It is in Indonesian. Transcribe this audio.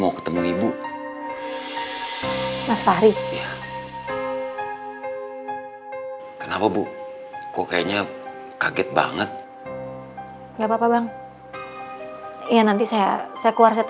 ada apa buka aja